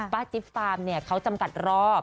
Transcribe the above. จิ๊บฟาร์มเนี่ยเขาจำกัดรอบ